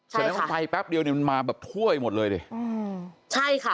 ใช่ค่ะไฟแป๊บเดียวเนี้ยมันมาแบบถ้วยหมดเลยอืมใช่ค่ะ